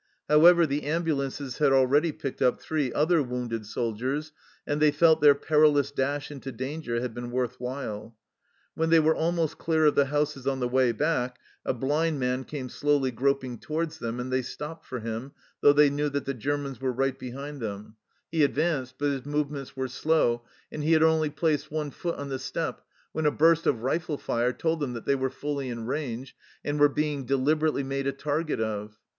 However, the ambulances had already picked up three other wounded soldiers, and they felt their perilous dash into danger had been worth while. When they were almost clear of the houses on the way back a blind man came slowly groping towards them, and they stopped for him, though they knew that the Germans were right behind them. He IN THE THICK OF A BATTLE 33 advanced, but his movements were slow, and he had only placed one foot on the step when a burst of rifle fire told them that they were fully in range, and were being deliberately made a target of.